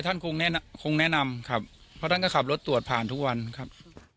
ท่านคงแนะนำครับเพราะท่านก็ขับรถตรวจผ่านทุกวันครับ